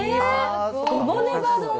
ごぼねば丼？